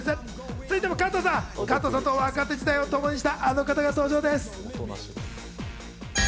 続いて加藤さんと若手時代をともにしたあの方が登場です。